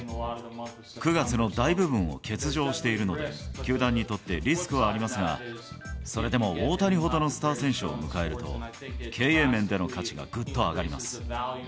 ９月の大部分を欠場しているので、球団にとってリスクはありますが、それでも大谷ほどのスター選手を迎えると、経営面での価値がぐっと上がります。